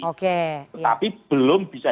oke tetapi belum bisa